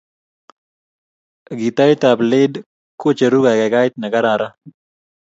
gitait ap lead kocheru kakaikaet nekararan